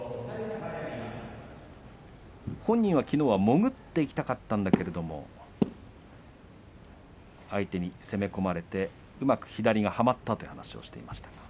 本人はきのうは潜っていきたかったんだけれども相手に攻め込まれてうまく左がはまったという話をしていました。